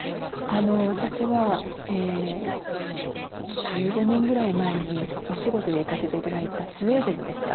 私は１５年ぐらい前にお仕事で行かせて頂いたスウェーデンのですね